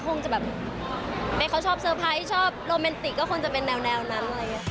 คงจะแบบแม่เขาชอบเซอร์ไพรส์ชอบโรแมนติกก็คงจะเป็นแนวนั้น